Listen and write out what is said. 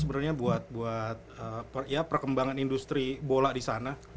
sebenernya buat perkembangan industri bola disana